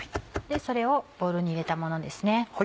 それをボウルに入れたものですね。